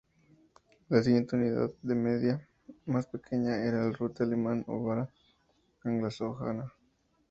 La siguiente unidad de medida más pequeña era el "rute" alemán o vara anglosajona.